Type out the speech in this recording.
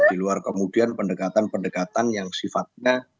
di luar kemudian pendekatan pendekatan yang sifatnya